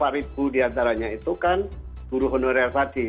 rp tiga puluh empat diantaranya itu kan guru honorer tadi